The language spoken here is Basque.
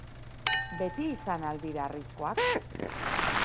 Beti izan al dira harrizkoak?